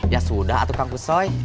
ya sudah kang kusoy